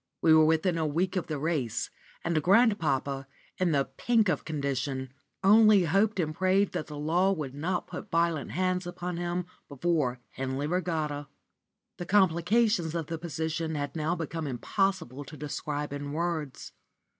We were within a week of the race, and grandpapa, in the pink of condition, only hoped and prayed that the law would not put violent hands upon him before Henley Regatta. The complications of the position had now become impossible to describe in words.